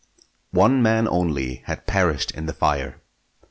One man only had perished in the fire.